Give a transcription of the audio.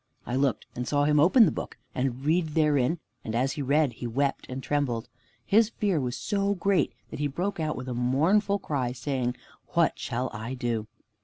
I looked, and saw him open the book, and read therein, and as he read, he wept and trembled. His fear was so great that he brake out with a mournful cry, saying, "What shall I do?"